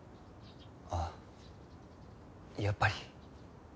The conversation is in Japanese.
ああやっぱり。